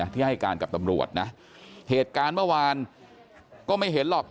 ที่ให้การกับตำรวจนะเหตุการณ์เมื่อวานก็ไม่เห็นหรอก